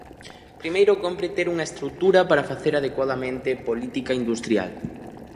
Primeiro cómpre ter unha estrutura para facer adecuadamente política industrial.